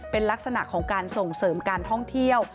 เป็นลักษณะของการส่งเสริมการท่องเที่ยว